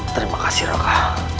terima kasih raka